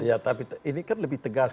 ya tapi ini kan lebih tegas